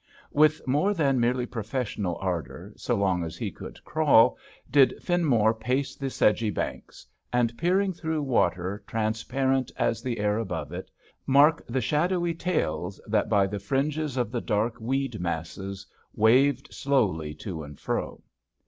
With more than merely professional ardour, so long as he could crawl, did Finmore pace the sedgy banks, and, peering through water trans parent as the air above it, mark the shadowy tails that by the fringes of the dark weed masses waved slowly to and fro.